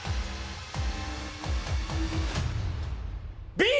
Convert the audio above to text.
Ｂ！